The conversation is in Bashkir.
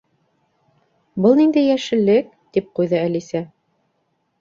—Был ниндәй йәшеллек? —тип ҡуйҙы Әлисә.